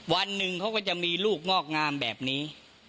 วันหนึ่งเขาก็จะมีลูกงอกงามแบบนี้